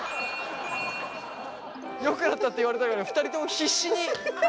「よくなった」って言われたいから２人とも必死に。